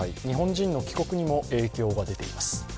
日本人の帰国にも影響が出ています。